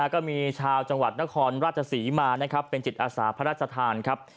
ก็มีชาวจังหวัดนครราชศรีมานะครับเป็นจิตอาสาพระราชทานครับ